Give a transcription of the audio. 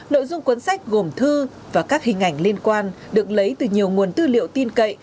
nội dung cuốn sách gồm thư và các hình ảnh liên quan được lấy từ nhiều nguồn tư liệu tin cậy